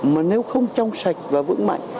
mà nếu không trong sạch và vững mạnh